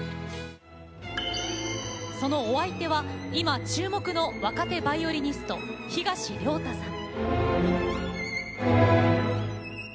そのお相手は今、注目の若手バイオリニスト東亮汰さん。